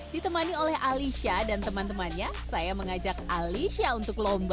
ditemani oleh alicia dan teman temannya saya mengajak alicia untuk lomba